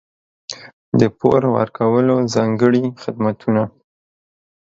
د پور ورکولو ځانګړي خدمتونه.